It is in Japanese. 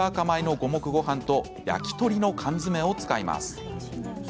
米の五目ごはんと焼き鳥の缶詰を使います。